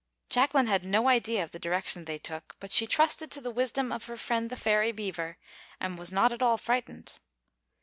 Jacquelin had no idea of the direction they took, but she trusted to the wisdom of her friend the Fairy Beaver, and was not at all frightened.